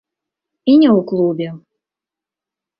І не ў клубе.